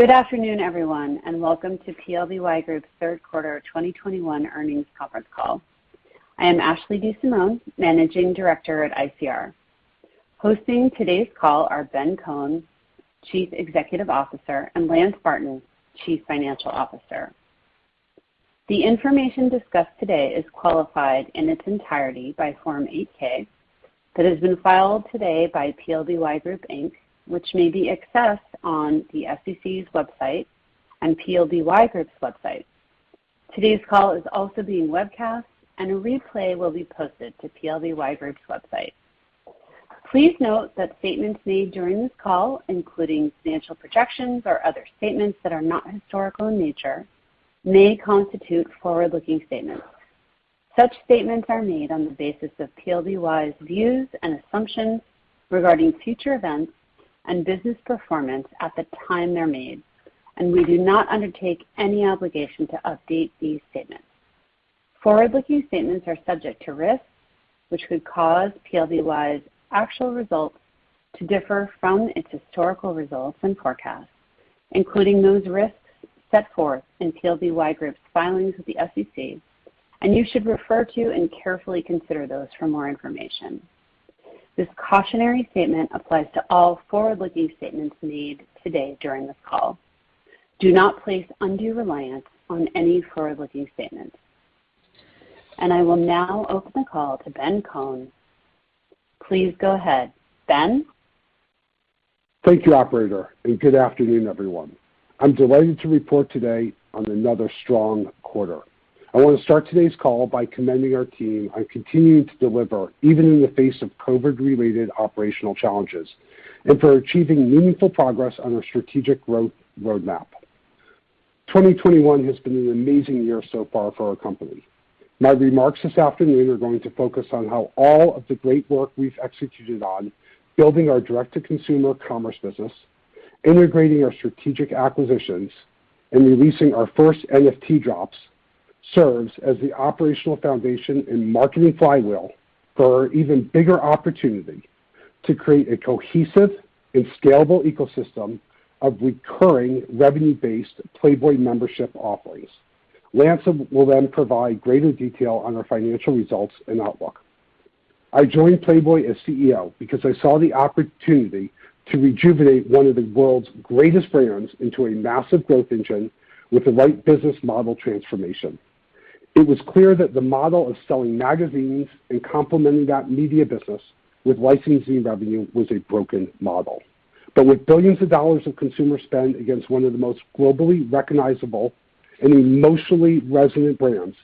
Good afternoon, everyone, and welcome to PLBY Group's third quarter 2021 earnings conference call. I am Ashley DeSimone, Managing Director at ICR. Hosting today's call are Ben Kohn, Chief Executive Officer, and Lance Barton, Chief Financial Officer. The information discussed today is qualified in its entirety by Form 8-K that has been filed today by PLBY Group, Inc., which may be accessed on the SEC's website and PLBY Group's website. Today's call is also being webcast, and a replay will be posted to PLBY Group's website. Please note that statements made during this call, including financial projections or other statements that are not historical in nature, may constitute forward-looking statements. Such statements are made on the basis of PLBY's views and assumptions regarding future events and business performance at the time they're made, and we do not undertake any obligation to update these statements. Forward-looking statements are subject to risks which could cause PLBY's actual results to differ from its historical results and forecasts, including those risks set forth in PLBY Group's filings with the SEC, and you should refer to and carefully consider those for more information. This cautionary statement applies to all forward-looking statements made today during this call. Do not place undue reliance on any forward-looking statements. I will now open the call to Ben Kohn. Please go ahead. Ben? Thank you, operator, and good afternoon, everyone. I'm delighted to report today on another strong quarter. I want to start today's call by commending our team on continuing to deliver even in the face of COVID-related operational challenges and for achieving meaningful progress on our strategic growth roadmap. 2021 has been an amazing year so far for our company. My remarks this afternoon are going to focus on how all of the great work we've executed on building our direct-to-consumer commerce business, integrating our strategic acquisitions, and releasing our first NFT drops serves as the operational foundation and marketing flywheel for our even bigger opportunity to create a cohesive and scalable ecosystem of recurring revenue-based Playboy membership offerings. Lance will then provide greater detail on our financial results and outlook. I joined Playboy as CEO because I saw the opportunity to rejuvenate one of the world's greatest brands into a massive growth engine with the right business model transformation. It was clear that the model of selling magazines and complementing that media business with licensing revenue was a broken model. With billions of dollars of consumer spend against one of the most globally recognizable and emotionally resonant brands,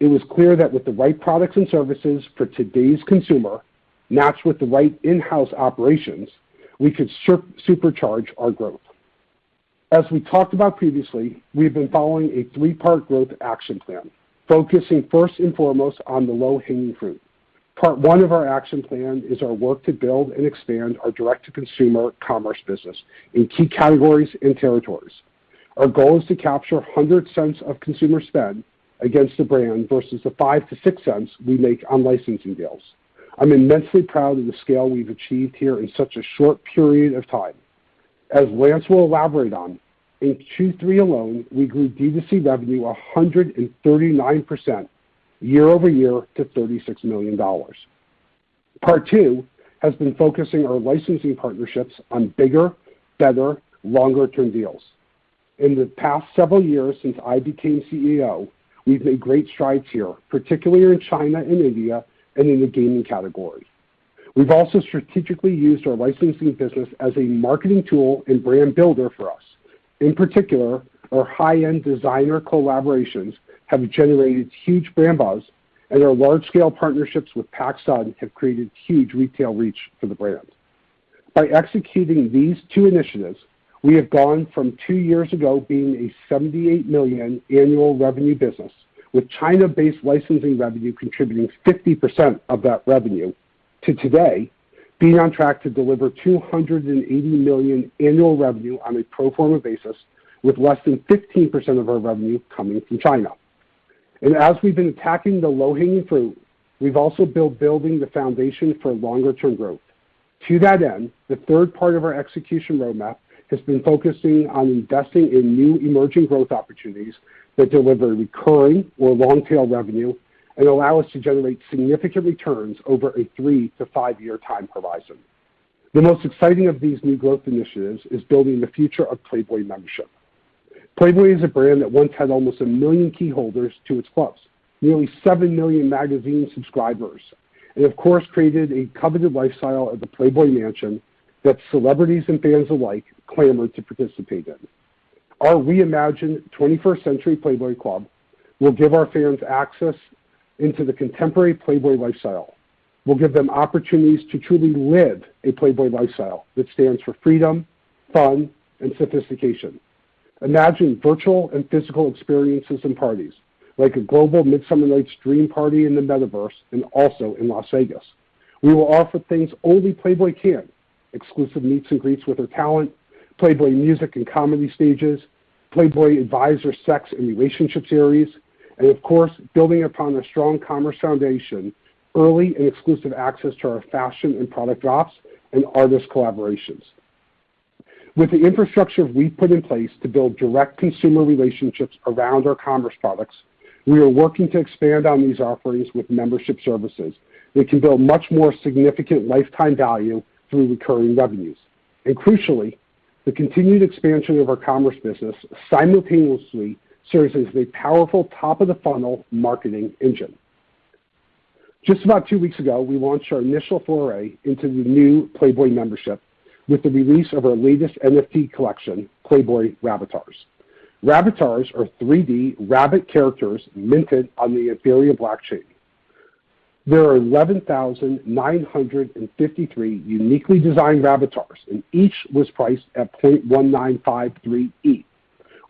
it was clear that with the right products and services for today's consumer matched with the right in-house operations, we could supercharge our growth. As we talked about previously, we've been following a three-part growth action plan, focusing first and foremost on the low-hanging fruit. Part one of our action plan is our work to build and expand our direct-to-consumer commerce business in key categories and territories. Our goal is to capture 100 cents of consumer spend against the brand versus the 0.05-0.06 cents we make on licensing deals. I'm immensely proud of the scale we've achieved here in such a short period of time. As Lance will elaborate on, in Q3 alone, we grew D2C revenue 139% year-over-year to $36 million. Part two has been focusing our licensing partnerships on bigger, better, longer-term deals. In the past several years since I became CEO, we've made great strides here, particularly in China and India and in the gaming category. We've also strategically used our licensing business as a marketing tool and brand builder for us. In particular, our high-end designer collaborations have generated huge brand buzz, and our large-scale partnerships with Pacsun have created huge retail reach for the brand. By executing these two initiatives, we have gone from two years ago being a $78 million annual revenue business, with China-based licensing revenue contributing 50% of that revenue, to today being on track to deliver $280 million annual revenue on a pro forma basis, with less than 15% of our revenue coming from China. As we've been attacking the low-hanging fruit, we've also been building the foundation for longer-term growth. To that end, the third part of our execution roadmap has been focusing on investing in new emerging growth opportunities that deliver recurring or long-tail revenue and allow us to generate significant returns over a 3- 5-year time horizon. The most exciting of these new growth initiatives is building the future of Playboy membership. Playboy is a brand that once had almost a million key holders to its clubs, nearly seven million magazine subscribers, and of course, created a coveted lifestyle at the Playboy Mansion that celebrities and fans alike clamored to participate in. Our reimagined 21st-century Playboy club will give our fans access into the contemporary Playboy lifestyle. We'll give them opportunities to truly live a Playboy lifestyle that stands for freedom, fun, and sophistication. Imagine virtual and physical experiences and parties, like a global Midsummer Night's Dream party in the Metaverse and also in Las Vegas. We will offer things only Playboy can, exclusive meets and greets with our talent, Playboy music and comedy stages. Playboy Advisor sex and relationship series, and of course, building upon a strong commerce foundation, early and exclusive access to our fashion and product drops and artist collaborations. With the infrastructure we put in place to build direct consumer relationships around our commerce products, we are working to expand on these offerings with membership services that can build much more significant lifetime value through recurring revenues. Crucially, the continued expansion of our commerce business simultaneously serves as a powerful top of the funnel marketing engine. Just about two weeks ago, we launched our initial foray into the new Playboy membership with the release of our latest NFT collection, Playboy Rabbitars. Rabbitars are 3D rabbit characters minted on the Ethereum blockchain. There are 11,953 uniquely designed Rabbitars, and each was priced at 0.1953 ETH,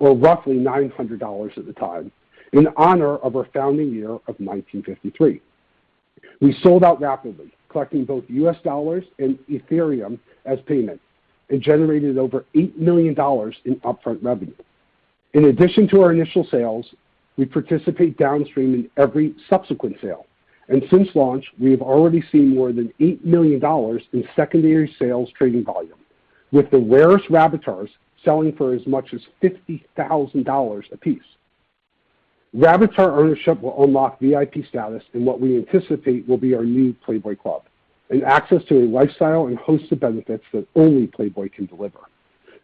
or roughly $900 at the time, in honor of our founding year of 1953. We sold out rapidly, collecting both U.S. dollars and Ethereum as payment, and generated over $8 million in upfront revenue. In addition to our initial sales, we participate downstream in every subsequent sale. Since launch, we have already seen more than $8 million in secondary sales trading volume, with the rarest Rabbitars selling for as much as $50,000 apiece. Rabbitar ownership will unlock VIP status in what we anticipate will be our new Playboy Club and access to a lifestyle and host of benefits that only Playboy can deliver.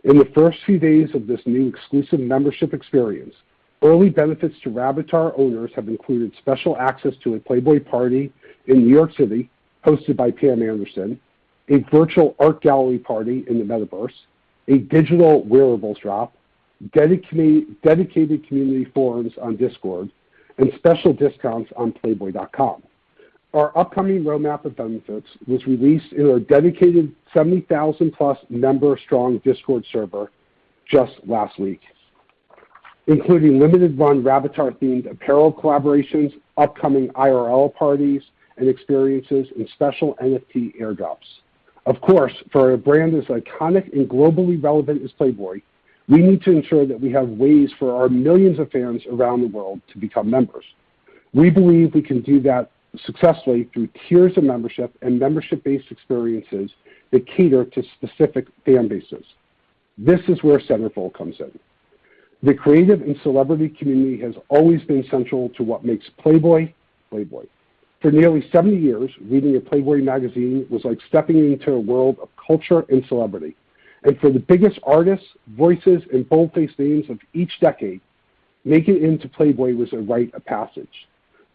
In the first few days of this new exclusive membership experience, early benefits to Rabbitar owners have included special access to a Playboy party in New York City hosted by Pamela Anderson, a virtual art gallery party in the Metaverse, a digital wearables drop, dedicated community forums on Discord, and special discounts on playboy.com. Our upcoming roadmap of benefits was released in our dedicated 70,000+ member strong Discord server just last week, including limited run Rabbitars-themed apparel collaborations, upcoming IRL parties and experiences, and special NFT airdrops. Of course, for a brand as iconic and globally relevant as Playboy, we need to ensure that we have ways for our millions of fans around the world to become members. We believe we can do that successfully through tiers of membership and membership-based experiences that cater to specific fan bases. This is where Centerfold comes in. The creative and celebrity community has always been central to what makes Playboy. For nearly 70-years, reading a Playboy magazine was like stepping into a world of culture and celebrity. For the biggest artists, voices, and boldface names of each decade, making it into Playboy was a rite of passage.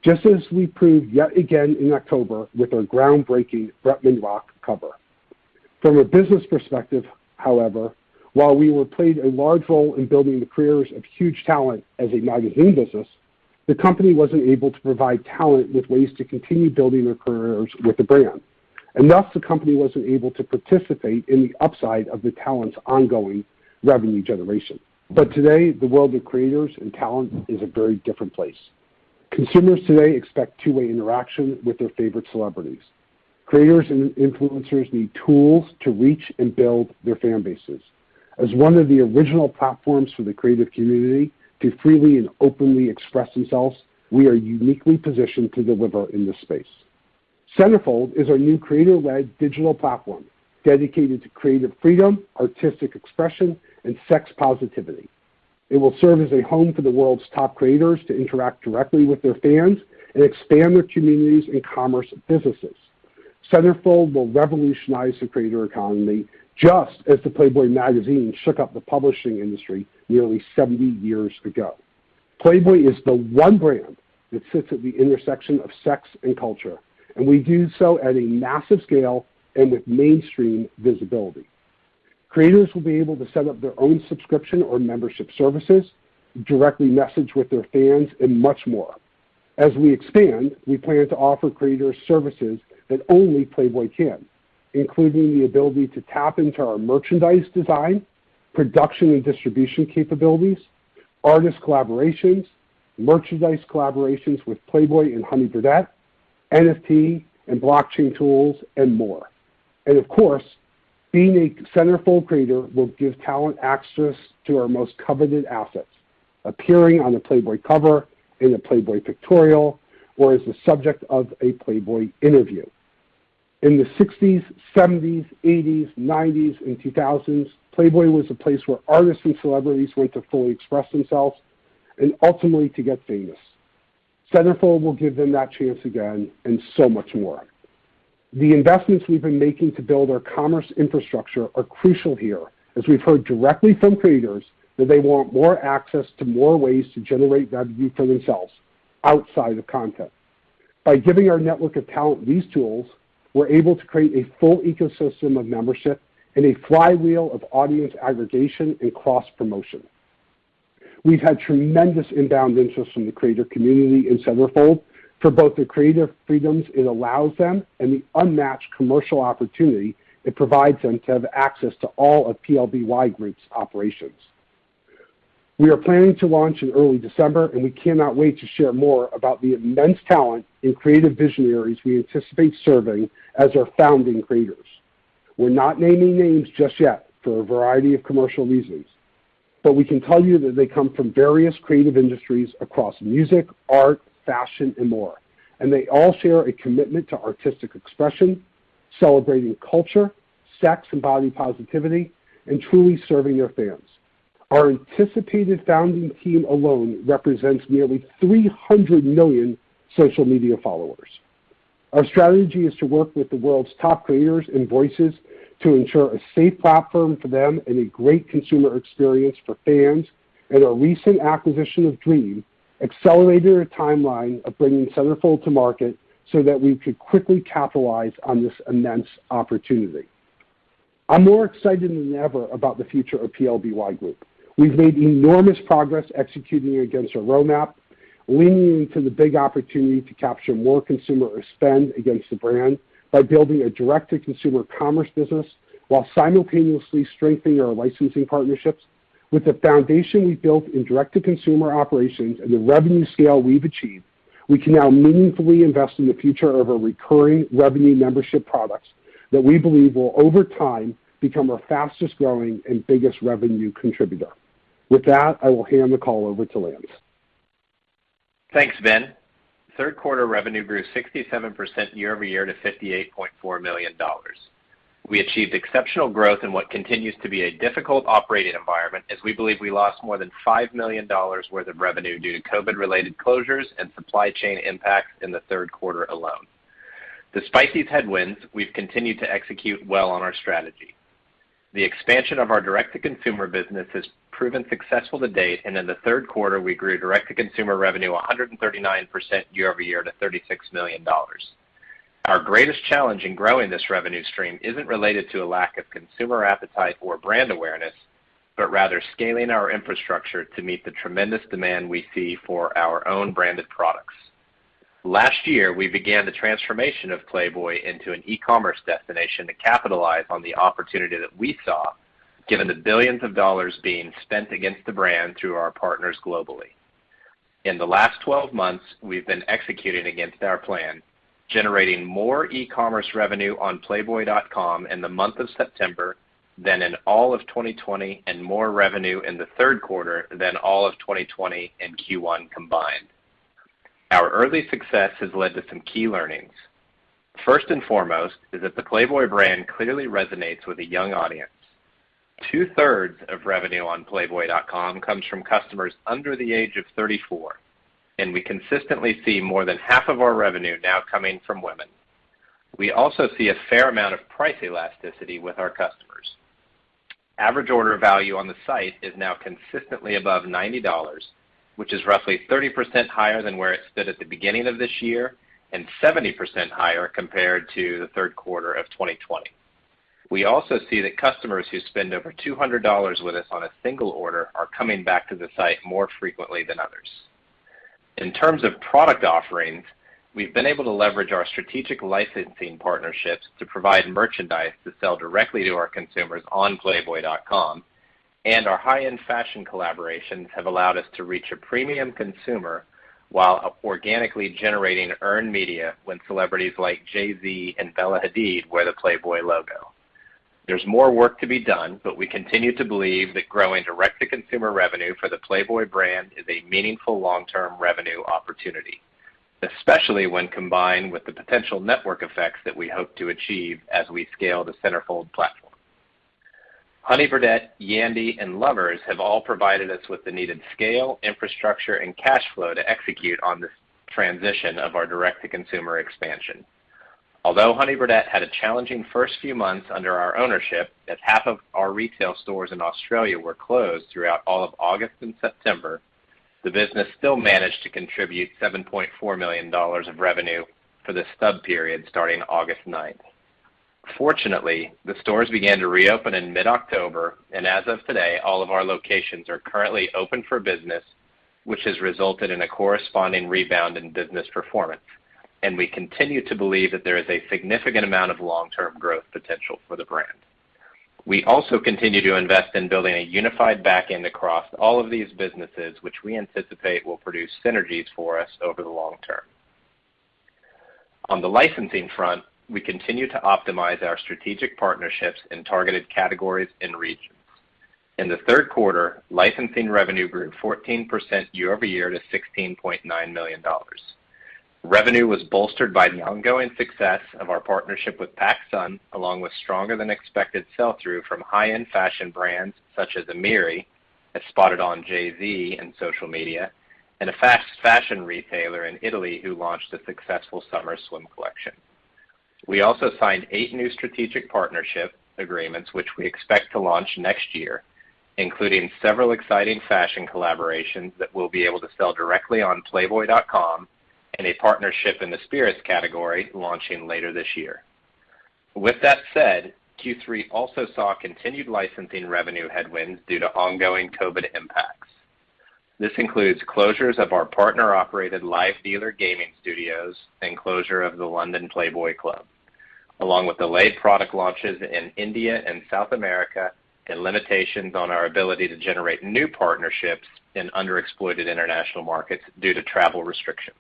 Just as we proved yet again in October with our groundbreaking Bretman Rock cover. From a business perspective, however, while we played a large role in building the careers of huge talent as a magazine business, the company wasn't able to provide talent with ways to continue building their careers with the brand. Thus, the company wasn't able to participate in the upside of the talent's ongoing revenue generation. Today, the world of creators and talent is a very different place. Consumers today expect two-way interaction with their favorite celebrities. Creators and influencers need tools to reach and build their fan bases. As one of the original platforms for the creative community to freely and openly express themselves, we are uniquely positioned to deliver in this space. Centerfold is our new creator-led digital platform dedicated to creative freedom, artistic expression, and sex positivity. It will serve as a home for the world's top creators to interact directly with their fans and expand their communities and commerce businesses. Centerfold will revolutionize the creator economy just as the Playboy magazine shook up the publishing industry nearly 70-years ago. Playboy is the one brand that sits at the intersection of sex and culture, and we do so at a massive scale and with mainstream visibility. Creators will be able to set up their own subscription or membership services, directly message with their fans, and much more. As we expand, we plan to offer creators services that only Playboy can, including the ability to tap into our merchandise design, production and distribution capabilities, artist collaborations, merchandise collaborations with Playboy and Honey Birdette, NFT and blockchain tools, and more. Of course, being a Centerfold creator will give talent access to our most coveted assets, appearing on a Playboy cover, in a Playboy pictorial, or as the subject of a Playboy interview. In the 1960s, 1970s, 1980s, 1990s, and 2000s, Playboy was a place where artists and celebrities went to fully express themselves and ultimately to get famous. Centerfold will give them that chance again and so much more. The investments we've been making to build our commerce infrastructure are crucial here, as we've heard directly from creators that they want more access to more ways to generate value for themselves outside of content. By giving our network of talent these tools, we're able to create a full ecosystem of membership and a flywheel of audience aggregation and cross-promotion. We've had tremendous inbound interest from the creator community in Centerfold for both the creative freedoms it allows them and the unmatched commercial opportunity it provides them to have access to all of PLBY Group's operations. We are planning to launch in early December, and we cannot wait to share more about the immense talent and creative visionaries we anticipate serving as our founding creators. We're not naming names just yet for a variety of commercial reasons, but we can tell you that they come from various creative industries across music, art, fashion, and more, and they all share a commitment to artistic expression, celebrating culture, sex, and body positivity, and truly serving their fans. Our anticipated founding team alone represents nearly 300 million social media followers. Our strategy is to work with the world's top creators and voices to ensure a safe platform for them and a great consumer experience for fans, and our recent acquisition of Dream accelerated our timeline of bringing Centerfold to market so that we could quickly capitalize on this immense opportunity. I'm more excited than ever about the future of PLBY Group. We've made enormous progress executing against our roadmap, leaning into the big opportunity to capture more consumer spend against the brand by building a direct-to-consumer commerce business while simultaneously strengthening our licensing partnerships. With the foundation we've built in direct-to-consumer operations and the revenue scale we've achieved, we can now meaningfully invest in the future of our recurring revenue membership products that we believe will over time become our fastest-growing and biggest revenue contributor. With that, I will hand the call over to Lance. Thanks, Ben. Third quarter revenue grew 67% year-over-year to $58.4 million. We achieved exceptional growth in what continues to be a difficult operating environment as we believe we lost more than $5 million worth of revenue due to COVID-related closures and supply chain impacts in the third quarter alone. Despite these headwinds, we've continued to execute well on our strategy. The expansion of our direct-to-consumer business has proven successful to date, and in the third quarter, we grew direct-to-consumer revenue 139% year-over-year to $36 million. Our greatest challenge in growing this revenue stream isn't related to a lack of consumer appetite or brand awareness, but rather scaling our infrastructure to meet the tremendous demand we see for our own branded products. Last year, we began the transformation of Playboy into an e-commerce destination to capitalize on the opportunity that we saw given the billions of dollars being spent against the brand through our partners globally. In the last 12 months, we've been executing against our plan, generating more e-commerce revenue on playboy.com in the month of September than in all of 2020, and more revenue in the third quarter than all of 2020 and Q1 combined. Our early success has led to some key learnings. First and foremost is that the Playboy brand clearly resonates with a young audience. Two-thirds of revenue on playboy.com comes from customers under the age of 34, and we consistently see more than half of our revenue now coming from women. We also see a fair amount of price elasticity with our customers. Average order value on the site is now consistently above $90, which is roughly 30% higher than where it stood at the beginning of this year and 70% higher compared to Q3 2020. We also see that customers who spend over $200 with us on a single order are coming back to the site more frequently than others. In terms of product offerings, we've been able to leverage our strategic licensing partnerships to provide merchandise to sell directly to our consumers on playboy.com, and our high-end fashion collaborations have allowed us to reach a premium consumer while organically generating earned media when celebrities like Jay-Z and Bella Hadid wear the Playboy logo. There's more work to be done, but we continue to believe that growing direct-to-consumer revenue for the Playboy brand is a meaningful long-term revenue opportunity, especially when combined with the potential network effects that we hope to achieve as we scale the Centerfold platform. Honey Birdette, Yandy, and Lovers have all provided us with the needed scale, infrastructure, and cash flow to execute on this transition of our direct-to-consumer expansion. Although Honey Birdette had a challenging first few months under our ownership, as half of our retail stores in Australia were closed throughout all of August and September, the business still managed to contribute $7.4 million of revenue for the stub period starting August 9. Fortunately, the stores began to reopen in mid-October, and as of today, all of our locations are currently open for business, which has resulted in a corresponding rebound in business performance, and we continue to believe that there is a significant amount of long-term growth potential for the brand. We also continue to invest in building a unified back end across all of these businesses, which we anticipate will produce synergies for us over the long term. On the licensing front, we continue to optimize our strategic partnerships in targeted categories and regions. In the third quarter, licensing revenue grew 14% year-over-year to $16.9 million. Revenue was bolstered by the ongoing success of our partnership with Pacsun, along with stronger than expected sell-through from high-end fashion brands such as AMIRI, as spotted on Jay-Z and social media, and a fast fashion retailer in Italy who launched a successful summer swim collection. We also signed eight new strategic partnership agreements, which we expect to launch next year, including several exciting fashion collaborations that we'll be able to sell directly on playboy.com and a partnership in the spirits category launching later this year. With that said, Q3 also saw continued licensing revenue headwinds due to ongoing COVID impacts. This includes closures of our partner-operated live dealer gaming studios and closure of the London Playboy Club, along with delayed product launches in India and South America, and limitations on our ability to generate new partnerships in underexploited international markets due to travel restrictions.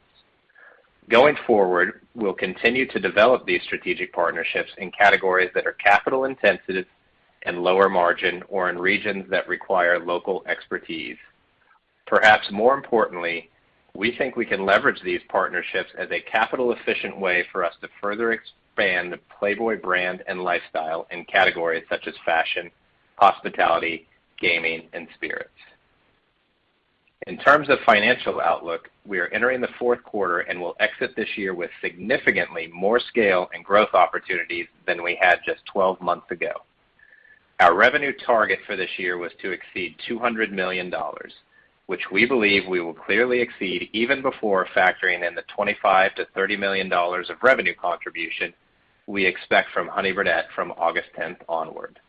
Going forward, we'll continue to develop these strategic partnerships in categories that are capital intensive and lower margin or in regions that require local expertise. Perhaps more importantly, we think we can leverage these partnerships as a capital efficient way for us to further expand the Playboy brand and lifestyle in categories such as fashion, hospitality, gaming, and spirits. In terms of financial outlook, we are entering the fourth quarter and will exit this year with significantly more scale and growth opportunities than we had just 12-months ago. Our revenue target for this year was to exceed $200 million, which we believe we will clearly exceed even before factoring in the $25 million-$30 million of revenue contribution we expect from Honey Birdette from August 10 onward.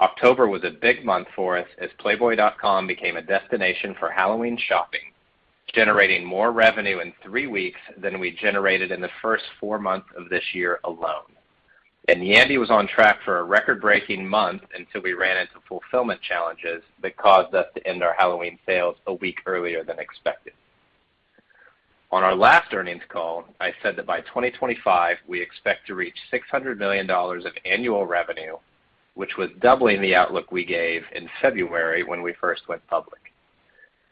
October was a big month for us as playboy.com became a destination for Halloween shopping, generating more revenue in three weeks than we generated in the first four months of this year alone. Yandy was on track for a record-breaking month until we ran into fulfillment challenges that caused us to end our Halloween sales a week earlier than expected. On our last earnings call, I said that by 2025 we expect to reach $600 million of annual revenue, which was doubling the outlook we gave in February when we first went public.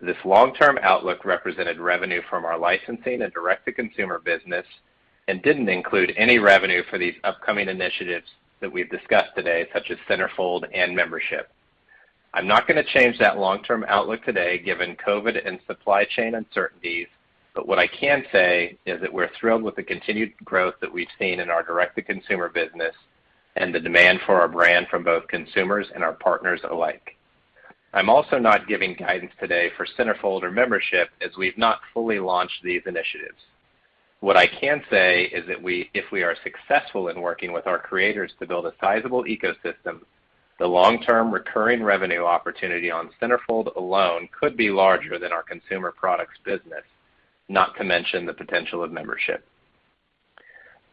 This long-term outlook represented revenue from our licensing and direct to consumer business and didn't include any revenue for these upcoming initiatives that we've discussed today, such as Centerfold and Membership. I'm not gonna change that long-term outlook today given COVID and supply chain uncertainties. What I can say is that we're thrilled with the continued growth that we've seen in our direct to consumer business and the demand for our brand from both consumers and our partners alike. I'm also not giving guidance today for Centerfold or Membership as we've not fully launched these initiatives. What I can say is that if we are successful in working with our creators to build a sizable ecosystem, the long-term recurring revenue opportunity on Centerfold alone could be larger than our consumer products business, not to mention the potential of Membership.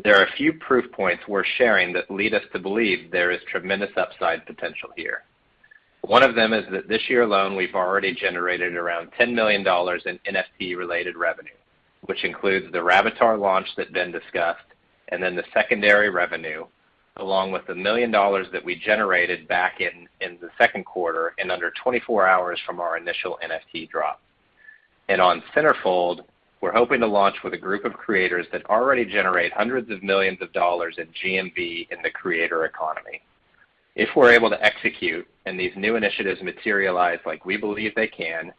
There are a few proof points worth sharing that lead us to believe there is tremendous upside potential here. One of them is that this year alone, we've already generated around $10 million in NFT related revenue, which includes the Rabbitars launch that Ben discussed and then the secondary revenue, along with the $1 million that we generated back in the second quarter in under 24-hours from our initial NFT drop. On Centerfold, we're hoping to launch with a group of creators that already generate hundreds of millions of dollars in GMV in the creator economy. If we're able to execute and these new initiatives materialize like we believe they can,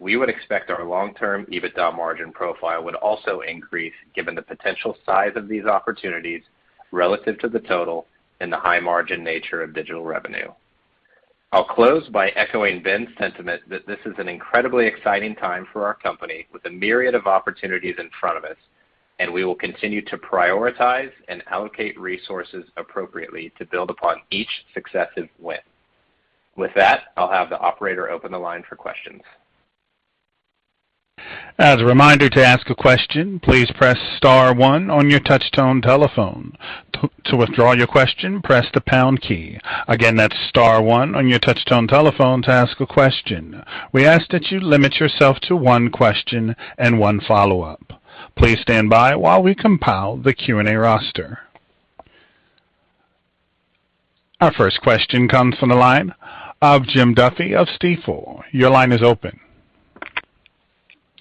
we would expect our long term EBITDA margin profile would also increase given the potential size of these opportunities relative to the total and the high margin nature of digital revenue. I'll close by echoing Ben's sentiment that this is an incredibly exciting time for our company with a myriad of opportunities in front of us, and we will continue to prioritize and allocate resources appropriately to build upon each successive win. With that, I'll have the operator open the line for questions. As a reminder, to ask a question, please press star one on your touchtone telephone. To withdraw your question, press the pound key. Again, that's star one on your touchtone telephone to ask a question. We ask that you limit yourself to one question and one follow-up. Please stand by while we compile the Q&A roster. Our first question comes from the line of Jim Duffy of Stifel. Your line is open.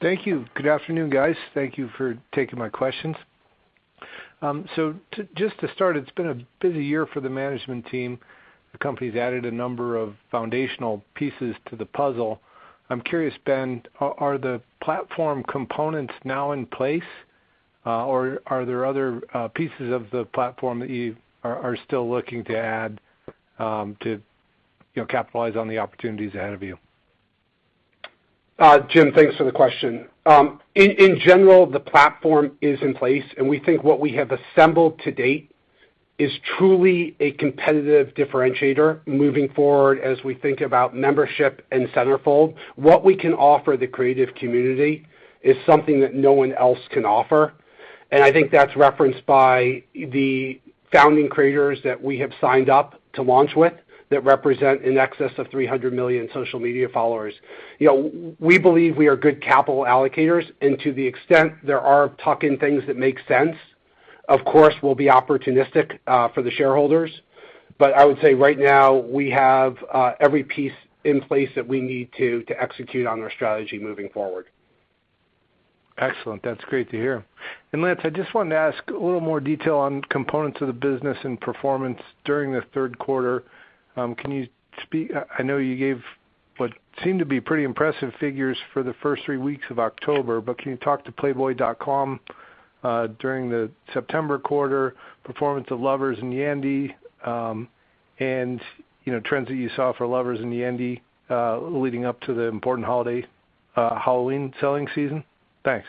Thank you. Good afternoon, guys. Thank you for taking my questions. Just to start, it's been a busy year for the management team. The company's added a number of foundational pieces to the puzzle. I'm curious, Ben, are the platform components now in place, or are there other pieces of the platform that you are still looking to add, to you know, capitalize on the opportunities ahead of you? Jim, thanks for the question. In general, the platform is in place, and we think what we have assembled to date is truly a competitive differentiator moving forward as we think about Membership and Centerfold. What we can offer the creative community is something that no one else can offer, and I think that's referenced by the founding creators that we have signed up to launch with that represent in excess of 300 million social media followers. You know, we believe we are good capital allocators. To the extent there are tuck-in things that make sense, of course, we'll be opportunistic for the shareholders. I would say right now, we have every piece in place that we need to execute on our strategy moving forward. Excellent. That's great to hear. Lance, I just wanted to ask a little more detail on components of the business and performance during the third quarter. I know you gave what seemed to be pretty impressive figures for the first three weeks of October, but can you talk to playboy.com, during the September quarter performance of Lovers and Yandy, and trends that you saw for Lovers and Yandy, leading up to the important holiday, Halloween selling season? Thanks.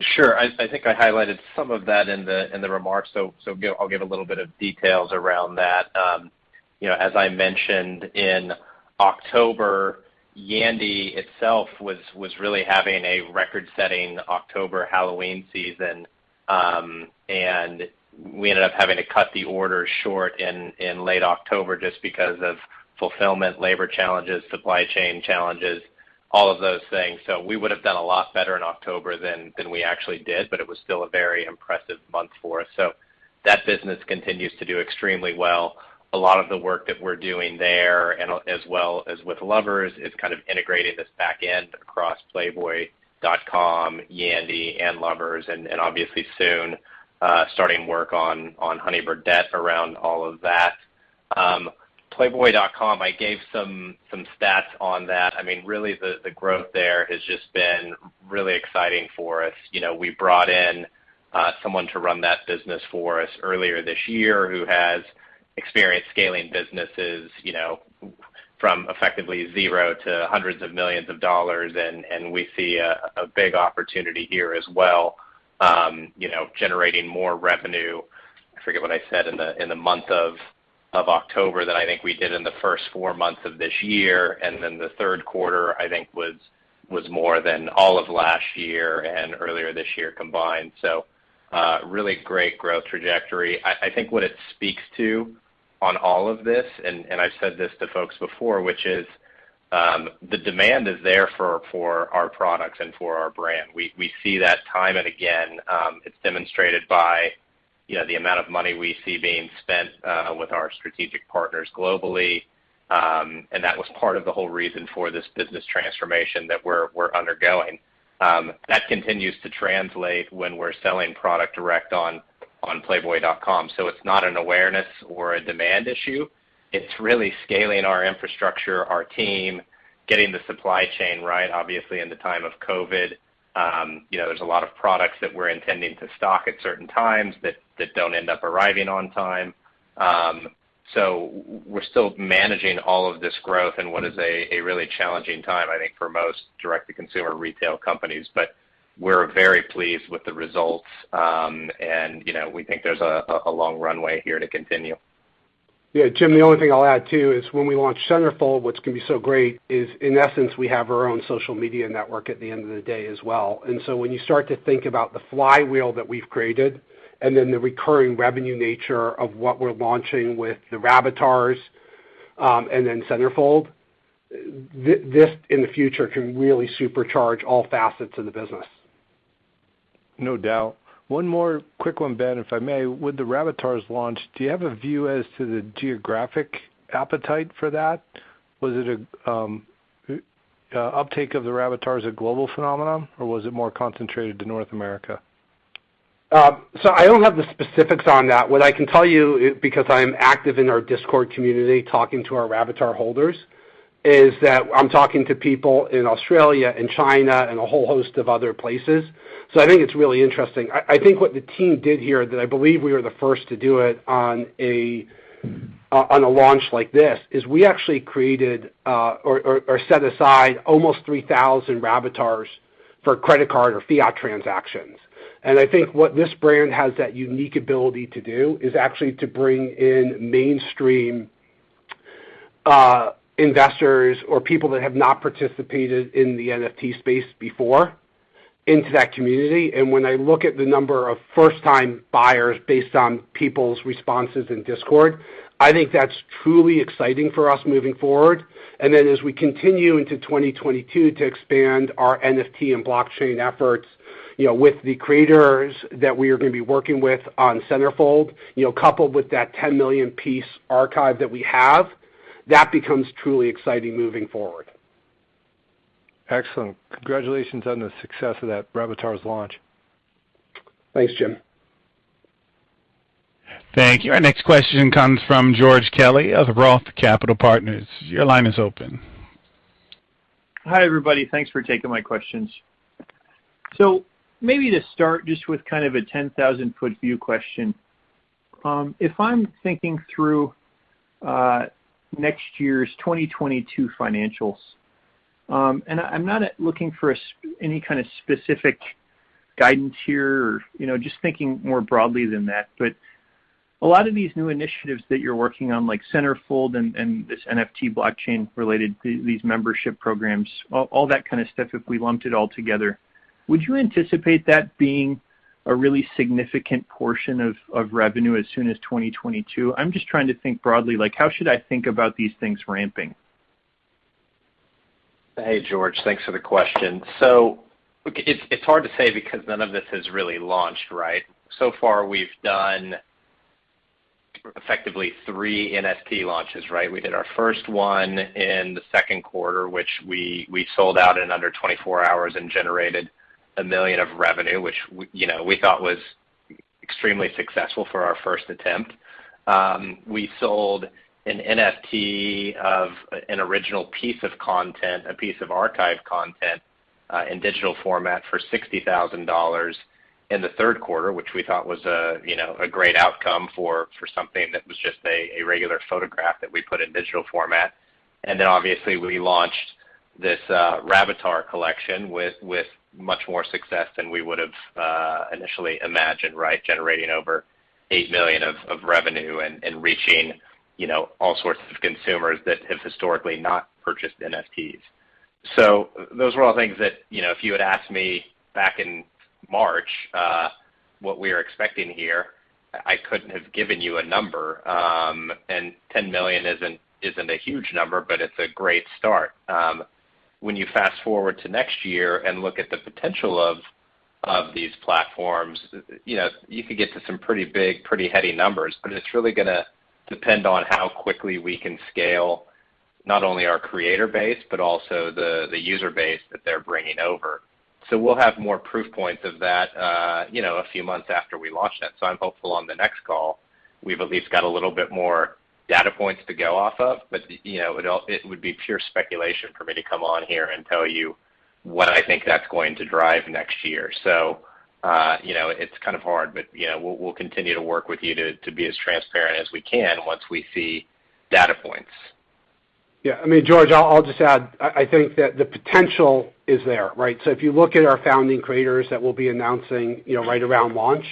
Sure. I think I highlighted some of that in the remarks. I'll give a little bit of details around that. You know, as I mentioned, in October, Yandy itself was really having a record-setting October Halloween season, and we ended up having to cut the order short in late October just because of fulfillment, labor challenges, supply chain challenges, all of those things. We would have done a lot better in October than we actually did, but it was still a very impressive month for us. That business continues to do extremely well. A lot of the work that we're doing there and as well as with Lovers is kind of integrating this back end across playboy.com, Yandy, and Lovers, and obviously soon, starting work on Honey Birdette around all of that. Playboy.com, I gave some stats on that. I mean, really the growth there has just been really exciting for us. You know, we brought in someone to run that business for us earlier this year who has experience scaling businesses, you know, from effectively zero to hundreds of millions of dollars, and we see a big opportunity here as well, you know, generating more revenue. I forget what I said in the month of October than I think we did in the first four months of this year. Then the third quarter, I think, was more than all of last year and earlier this year combined. Really great growth trajectory. I think what it speaks to on all of this, and I've said this to folks before, which is, the demand is there for our products and for our brand. We see that time and again. It's demonstrated by, you know, the amount of money we see being spent with our strategic partners globally, and that was part of the whole reason for this business transformation that we're undergoing. That continues to translate when we're selling product direct on playboy.com. It's not an awareness or a demand issue. It's really scaling our infrastructure, our team, getting the supply chain right. Obviously, in the time of COVID, you know, there's a lot of products that we're intending to stock at certain times that don't end up arriving on time. So we're still managing all of this growth in what is a really challenging time, I think, for most direct-to-consumer retail companies. We're very pleased with the results, and, you know, we think there's a long runway here to continue. Yeah. Jim, the only thing I'll add, too, is when we launch Centerfold, what's going to be so great is, in essence, we have our own social media network at the end of the day as well. When you start to think about the flywheel that we've created and then the recurring revenue nature of what we're launching with the Rabbitars and Centerfold, this in the future can really supercharge all facets of the business. No doubt. One more quick one, Ben, if I may. With the Rabbitars launch, do you have a view as to the geographic appetite for that? Was it an uptake of the Rabbitars a global phenomenon, or was it more concentrated to North America? I don't have the specifics on that. What I can tell you, because I am active in our Discord community talking to our Rabbitars holders, is that I'm talking to people in Australia and China and a whole host of other places. I think it's really interesting. I think what the team did here that I believe we were the first to do it on a launch like this, is we actually created or set aside almost 3,000 Rabbitars for credit card or fiat transactions. I think what this brand has that unique ability to do is actually to bring in mainstream investors or people that have not participated in the NFT space before into that community. When I look at the number of first-time buyers based on people's responses in Discord, I think that's truly exciting for us moving forward. As we continue into 2022 to expand our NFT and blockchain efforts, you know, with the creators that we are going to be working with on Centerfold, you know, coupled with that 10 million piece archive that we have, that becomes truly exciting moving forward. Excellent. Congratulations on the success of that Rabbitars launch. Thanks, Jim. Thank you. Our next question comes from George Kelly of ROTH Capital Partners. Your line is open. Hi, everybody. Thanks for taking my questions. Maybe to start just with kind of a 10,000-foot view question. If I'm thinking through next year's 2022 financials, and I'm not looking for any kind of specific guidance here or, you know, just thinking more broadly than that. But a lot of these new initiatives that you're working on, like Centerfold and this NFT blockchain related, these membership programs, all that kind of stuff, if we lumped it all together, would you anticipate that being a really significant portion of revenue as soon as 2022? I'm just trying to think broadly, like, how should I think about these things ramping? Hey, George. Thanks for the question. It's hard to say because none of this has really launched, right? So far, we've done effectively three NFT launches, right? We did our first one in the second quarter, which we sold out in under 24-hours and generated $1 million of revenue, which you know, we thought was extremely successful for our first attempt. We sold an NFT of an original piece of content, a piece of archive content, in digital format for $60,000 in the third quarter, which we thought was a you know, a great outcome for something that was just a regular photograph that we put in digital format. Then obviously, we launched this Rabbitars collection with much more success than we would have initially imagined, right? Generating over $8 million of revenue and reaching, you know, all sorts of consumers that have historically not purchased NFTs. Those are all things that, you know, if you had asked me back in March, what we are expecting here, I couldn't have given you a number. Ten million isn't a huge number, but it's a great start. When you fast-forward to next year and look at the potential of these platforms, you know, you could get to some pretty big, pretty heady numbers. It's really gonna depend on how quickly we can scale not only our creator base, but also the user base that they're bringing over. We'll have more proof points of that, you know, a few months after we launch that. I'm hopeful on the next call, we've at least got a little bit more data points to go off of. You know, it would be pure speculation for me to come on here and tell you what I think that's going to drive next year. You know, it's kind of hard, but, you know, we'll continue to work with you to be as transparent as we can once we see data points. Yeah. I mean, George, I'll just add, I think that the potential is there, right? If you look at our founding creators that we'll be announcing, you know, right around launch,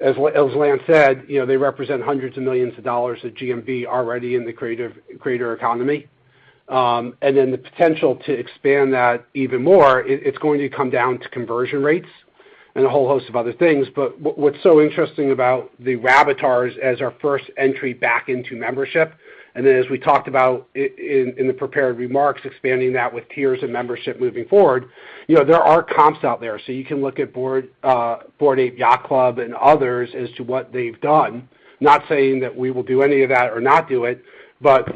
as Lance said, you know, they represent hundreds of millions of dollars of GMV already in the creator economy. The potential to expand that even more, it's going to come down to conversion rates and a whole host of other things. What's so interesting about the Rabbitars as our first entry back into membership, and then as we talked about in the prepared remarks, expanding that with tiers and membership moving forward, you know, there are comps out there. You can look at Bored Ape Yacht Club and others as to what they've done. Not saying that we will do any of that or not do it, but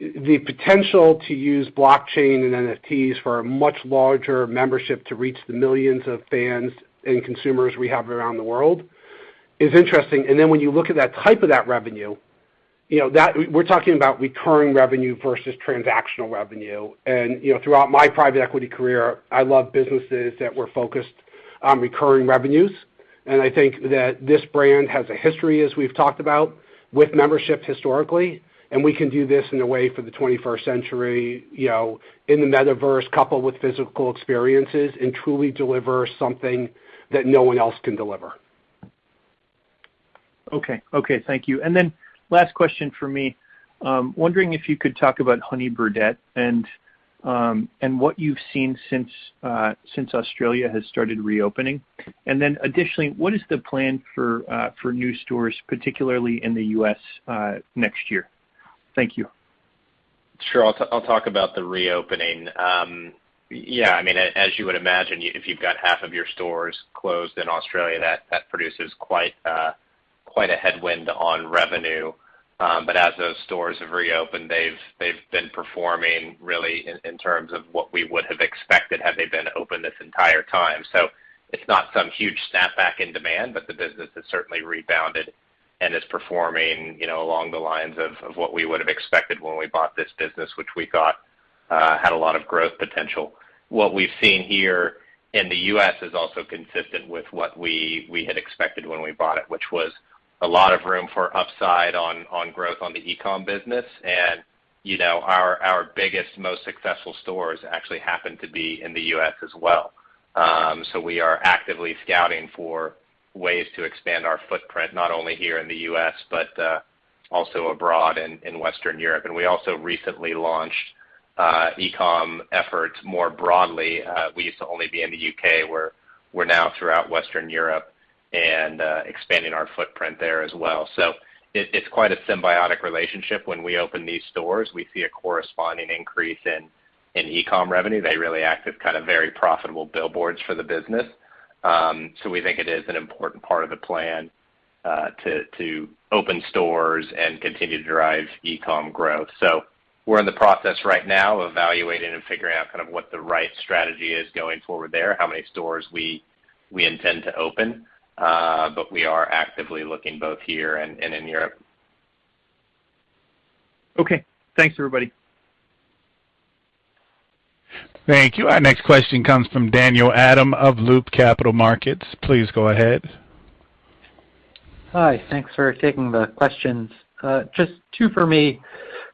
the potential to use blockchain and NFTs for a much larger membership to reach the millions of fans and consumers we have around the world is interesting. Then when you look at that type of revenue, you know, we're talking about recurring revenue versus transactional revenue. You know, throughout my private equity career, I love businesses that were focused on recurring revenues. I think that this brand has a history, as we've talked about, with membership historically, and we can do this in a way for the 21st century, you know, in the Metaverse coupled with physical experiences and truly deliver something that no one else can deliver. Okay. Okay, thank you. Last question for me. Wondering if you could talk about Honey Birdette and what you've seen since Australia has started reopening. What is the plan for new stores, particularly in the U.S., next year? Thank you. Sure. I'll talk about the reopening. Yeah, I mean, as you would imagine, if you've got half of your stores closed in Australia, that produces quite a headwind on revenue. As those stores have reopened, they've been performing really in terms of what we would have expected had they been open this entire time. It's not some huge snapback in demand, but the business has certainly rebounded and is performing, you know, along the lines of what we would have expected when we bought this business, which we thought had a lot of growth potential. What we've seen here in the U.S. is also consistent with what we had expected when we bought it, which was a lot of room for upside on growth on the e-com business. You know, our biggest, most successful stores actually happen to be in the U.S. as well. So we are actively scouting for ways to expand our footprint, not only here in the U.S., but also abroad in Western Europe. We also recently launched e-com efforts more broadly. We used to only be in the U.K. We're now throughout Western Europe and expanding our footprint there as well. It is quite a symbiotic relationship. When we open these stores, we see a corresponding increase in e-com revenue. They really act as kind of very profitable billboards for the business. So we think it is an important part of the plan to open stores and continue to drive e-com growth. We're in the process right now of evaluating and figuring out kind of what the right strategy is going forward there, how many stores we intend to open. We are actively looking both here and in Europe. Okay. Thanks, everybody. Thank you. Our next question comes from Daniel Adam of Loop Capital Markets. Please go ahead. Hi. Thanks for taking the questions. Just two for me.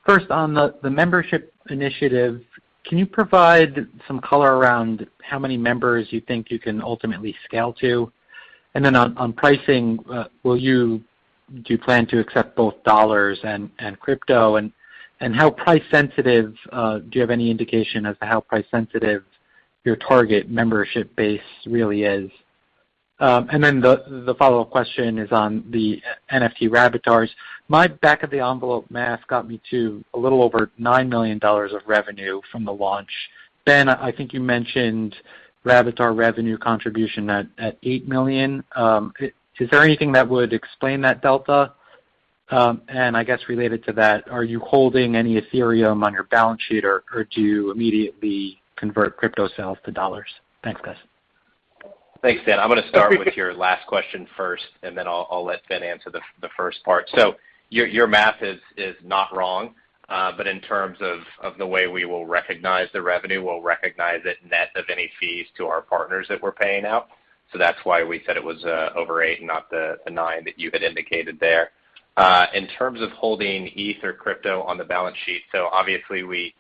First, on the membership initiative, can you provide some color around how many members you think you can ultimately scale to? And then on pricing, do you plan to accept both dollars and crypto? And how price sensitive do you have any indication as to how price sensitive your target membership base really is? Then the follow-up question is on the NFT Rabbitars. My back of the envelope math got me to a little over $9 million of revenue from the launch. Ben, I think you mentioned Rabbitars revenue contribution at $8 million. Is there anything that would explain that delta? I guess related to that, are you holding any Ethereum on your balance sheet or do you immediately convert crypto sales to dollars? Thanks, guys. Thanks, Dan. I'm gonna start with your last question first, and then I'll let Ben answer the first part. Your math is not wrong, but in terms of the way we will recognize the revenue, we'll recognize it net of any fees to our partners that we're paying out. That's why we said it was over $8, not the $9 that you had indicated there. In terms of holding ETH or crypto on the balance sheet, obviously we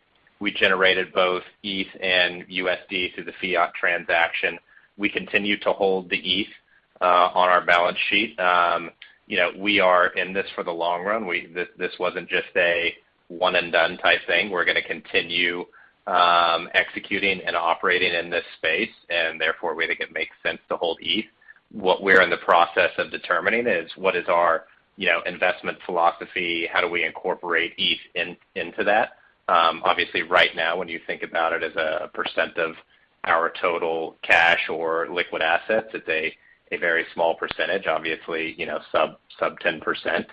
generated both ETH and USD through the fiat transaction. We continue to hold the ETH on our balance sheet. You know, we are in this for the long run. This wasn't just a one and done type thing. We're gonna continue executing and operating in this space, and therefore, we think it makes sense to hold ETH. What we're in the process of determining is what is our, you know, investment philosophy, how do we incorporate ETH into that. Obviously right now, when you think about it as a percent of our total cash or liquid assets, it's a very small percentage, obviously, you know, sub 10%,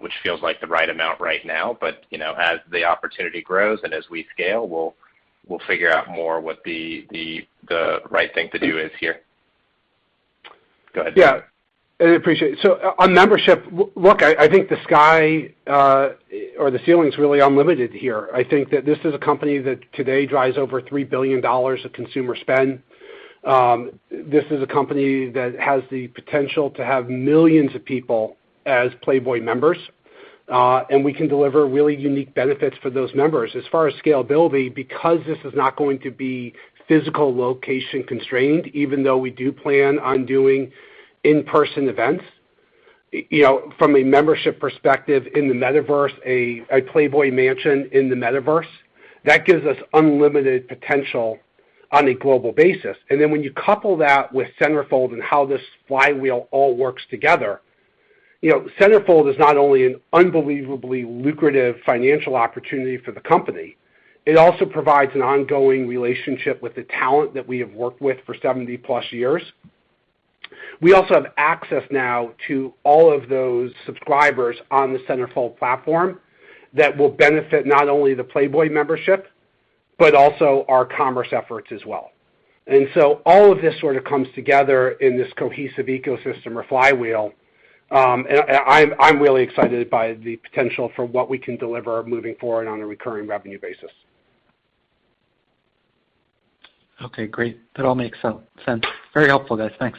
which feels like the right amount right now. You know, as the opportunity grows and as we scale, we'll figure out more what the right thing to do is here. Go ahead. Yeah. I appreciate it. On membership, look, I think the sky or the ceiling's really unlimited here. I think that this is a company that today drives over $3 billion of consumer spend. This is a company that has the potential to have millions of people as Playboy members, and we can deliver really unique benefits for those members. As far as scalability, because this is not going to be physical location constrained, even though we do plan on doing in-person events, you know, from a membership perspective in the Metaverse, a Playboy Mansion in the Metaverse, that gives us unlimited potential on a global basis. When you couple that with Centerfold and how this flywheel all works together, you know, Centerfold is not only an unbelievably lucrative financial opportunity for the company, it also provides an ongoing relationship with the talent that we have worked with for 70-plus years. We also have access now to all of those subscribers on the Centerfold platform that will benefit not only the Playboy membership, but also our commerce efforts as well. All of this sort of comes together in this cohesive ecosystem or flywheel, and I'm really excited by the potential for what we can deliver moving forward on a recurring revenue basis. Okay, great. That all makes sense. Very helpful, guys. Thanks.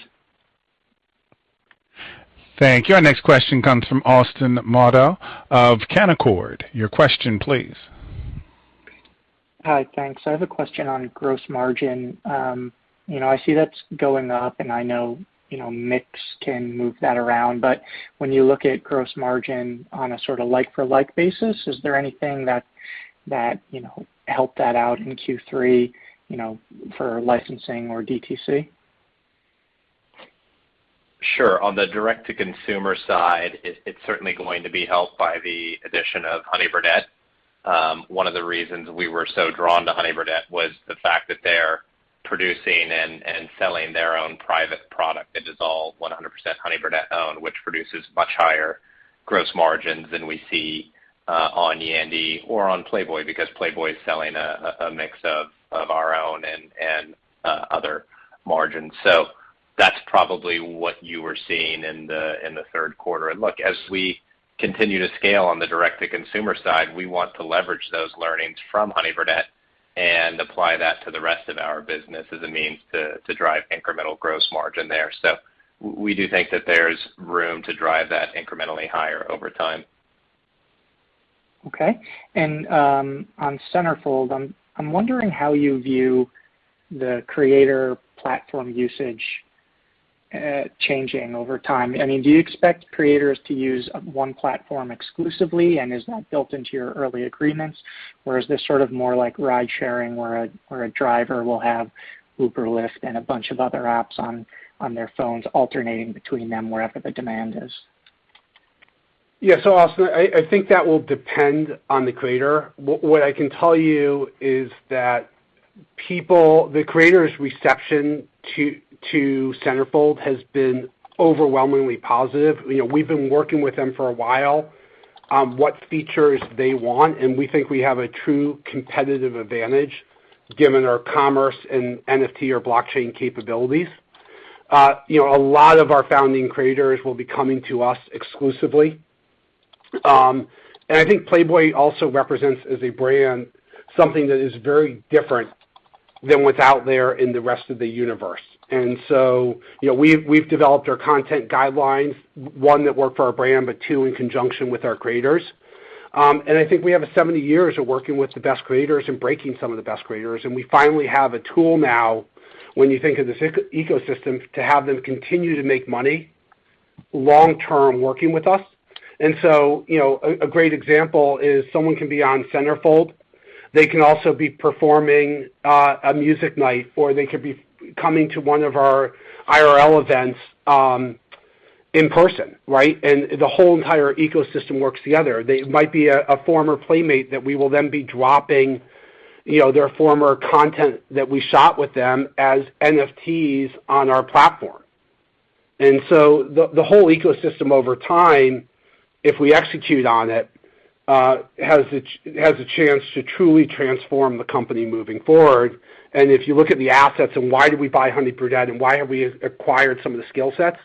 Thank you. Our next question comes from Austin Moldow of Canaccord. Your question, please. Hi. Thanks. I have a question on gross margin. You know, I see that's going up, and I know, you know, mix can move that around. When you look at gross margin on a sort of like-for-like basis, is there anything that you know, helped that out in Q3, you know, for licensing or DTC? Sure. On the direct-to-consumer side, it's certainly going to be helped by the addition of Honey Birdette. One of the reasons we were so drawn to Honey Birdette was the fact that they're producing and selling their own private product. It is all 100% Honey Birdette owned, which produces much higher gross margins than we see on Yandy or on Playboy because Playboy is selling a mix of our own and other margins. That's probably what you were seeing in the third quarter. Look, as we continue to scale on the direct-to-consumer side, we want to leverage those learnings from Honey Birdette and apply that to the rest of our business as a means to drive incremental gross margin there. We do think that there's room to drive that incrementally higher over time. Okay. On Centerfold, I'm wondering how you view the creator platform usage changing over time. I mean, do you expect creators to use one platform exclusively, and is that built into your early agreements? Or is this sort of more like ride-sharing where a driver will have Uber, Lyft, and a bunch of other apps on their phones alternating between them wherever the demand is? Yeah. Austin, I think that will depend on the creator. What I can tell you is that the creators' reception to Centerfold has been overwhelmingly positive. You know, we've been working with them for a while on what features they want, and we think we have a true competitive advantage given our commerce and NFT or blockchain capabilities. You know, a lot of our founding creators will be coming to us exclusively. I think Playboy also represents as a brand something that is very different than what's out there in the rest of the universe. You know, we've developed our content guidelines, one, that work for our brand, but two, in conjunction with our creators. I think we have 70-years of working with the best creators and breaking some of the best creators, and we finally have a tool now, when you think of this ecosystem, to have them continue to make money long term working with us. You know, a great example is someone can be on Centerfold, they can also be performing a music night, or they could be coming to one of our IRL events in person, right? The whole entire ecosystem works together. They might be a former Playmate that we will then be dropping, you know, their former content that we shot with them as NFTs on our platform. The whole ecosystem over time, if we execute on it, has a chance to truly transform the company moving forward. If you look at the assets and why did we buy Honey Birdette and why have we acquired some of the skill sets,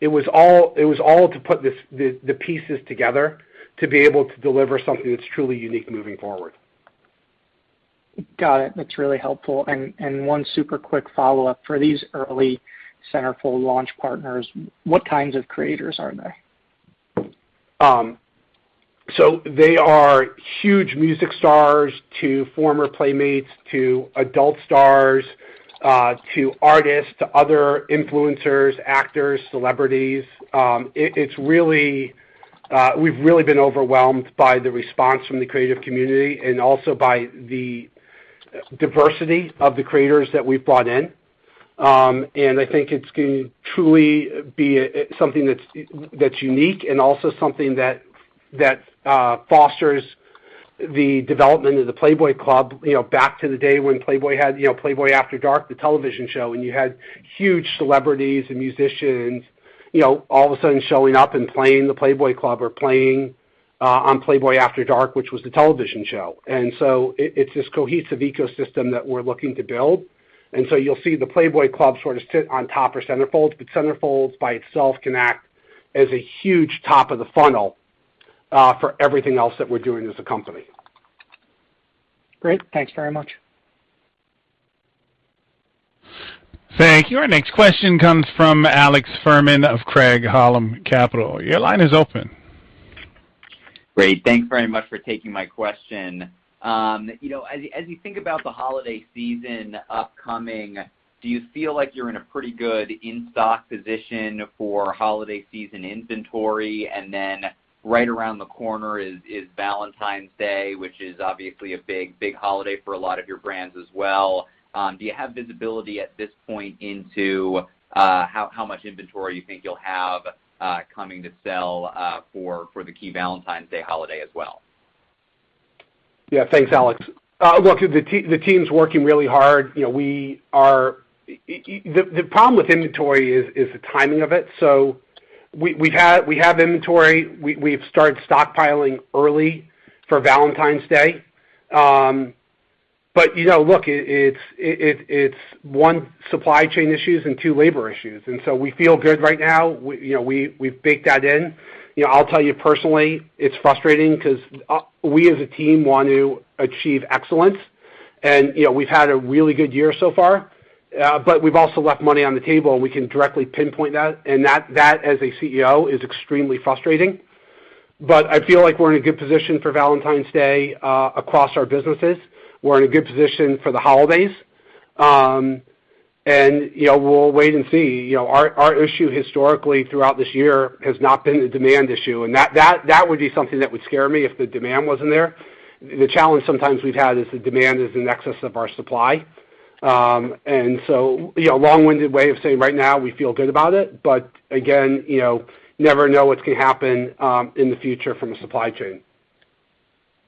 it was all to put the pieces together to be able to deliver something that's truly unique moving forward. Got it. That's really helpful. One super quick follow-up. For these early Centerfold launch partners, what kinds of creators are they? They are huge music stars to former playmates, to adult stars, to artists, to other influencers, actors, celebrities. It's really we've really been overwhelmed by the response from the creative community and also by the diversity of the creators that we've brought in. I think it's going to truly be something that's unique and also something that fosters the development of the Playboy Club, you know, back in the day when Playboy had, you know, Playboy After Dark, the television show, and you had huge celebrities and musicians, you know, all of a sudden showing up and playing the Playboy Club or playing on Playboy After Dark, which was the television show. It's this cohesive ecosystem that we're looking to build. You'll see the Playboy Club sort of sit on top of Centerfold, but Centerfold by itself can act as a huge top of the funnel for everything else that we're doing as a company. Great. Thanks very much. Thank you. Our next question comes from Alex Fuhrman of Craig-Hallum Capital. Your line is open. Great. Thanks very much for taking my question. You know, as you think about the holiday season upcoming, do you feel like you're in a pretty good in-stock position for holiday season inventory? Right around the corner is Valentine's Day, which is obviously a big, big holiday for a lot of your brands as well. Do you have visibility at this point into how much inventory you think you'll have coming to sell for the key Valentine's Day holiday as well? Yeah. Thanks, Alex. Look, the team's working really hard. You know, we are. The problem with inventory is the timing of it. So we have inventory. We've started stockpiling early for Valentine's Day. But you know, look, it's one, supply chain issues, and two, labor issues. We feel good right now. You know, we've baked that in. You know, I'll tell you personally, it's frustrating 'cause we as a team want to achieve excellence and you know, we've had a really good year so far, but we've also left money on the table, and we can directly pinpoint that, and that as a CEO is extremely frustrating. I feel like we're in a good position for Valentine's Day across our businesses. We're in a good position for the holidays. You know, we'll wait and see. You know, our issue historically throughout this year has not been the demand issue, and that would be something that would scare me if the demand wasn't there. The challenge sometimes we've had is the demand is in excess of our supply. You know, long-winded way of saying right now we feel good about it, but again, you know, never know what can happen in the future from a supply chain.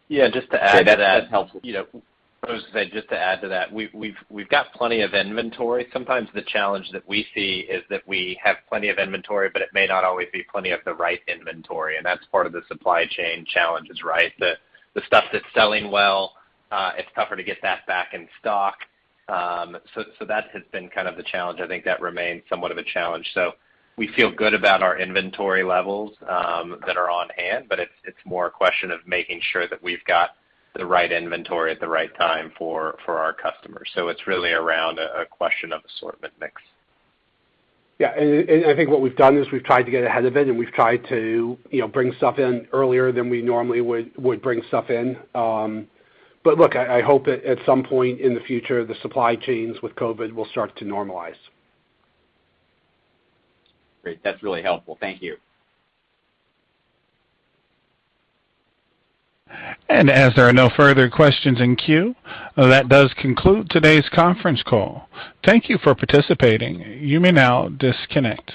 Yeah, just to add to that. That helps. You know, I was gonna say, just to add to that, we've got plenty of inventory. Sometimes the challenge that we see is that we have plenty of inventory, but it may not always be plenty of the right inventory, and that's part of the supply chain challenges, right? The stuff that's selling well, it's tougher to get that back in stock. That has been kind of the challenge. I think that remains somewhat of a challenge. We feel good about our inventory levels that are on hand, but it's more a question of making sure that we've got the right inventory at the right time for our customers. It's really around a question of assortment mix. Yeah. I think what we've done is we've tried to get ahead of it, and we've tried to, you know, bring stuff in earlier than we normally would bring stuff in. Look, I hope at some point in the future, the supply chains with COVID will start to normalize. Great. That's really helpful. Thank you. As there are no further questions in queue, that does conclude today's conference call. Thank you for participating. You may now disconnect.